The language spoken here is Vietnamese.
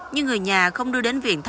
nhưng người nhà không đưa đến viện